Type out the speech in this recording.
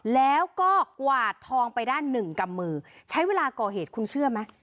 แล้วก็กวาดทองไปได้หนึ่งกำมือใช้เวลาก่อเหตุคุณเชื่อไหม